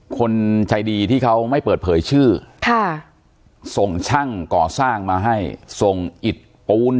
คนใจดีที่เขาไม่เปิดเผยชื่อค่ะส่งช่างก่อสร้างมาให้ส่งอิดปูน